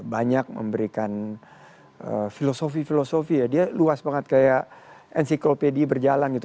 banyak memberikan filosofi filosofi ya dia luas banget kayak enciklopedi berjalan gitu